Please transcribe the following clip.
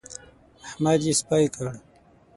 احمد يې سپي کړ.